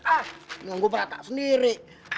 ah nunggu beratak sendiri